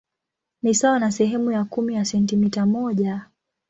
Ni sawa na sehemu ya kumi ya sentimita moja.